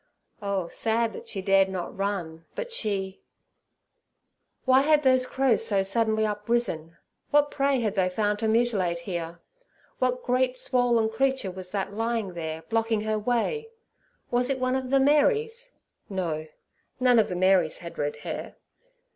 Oh, sad that she dared not run, but she— Why had those crows so suddenly uprisen? What prey had they found to mutilate here? What great swollen creature was that lying there, blocking her way? Was it one of the Marys? No; none of the Marys had red hair.